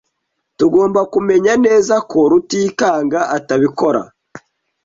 Tugomba kumenya neza ko Rutikanga atabikora.